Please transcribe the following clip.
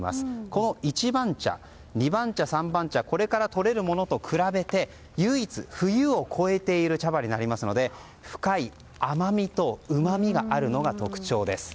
この一番茶は、二番茶、三番茶とこれからとれるものと比べて唯一、冬を超えている茶葉になりますので深い甘みとうまみがあるのが特徴です。